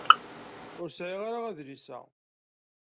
Ur sɛiɣ ara adlis-a.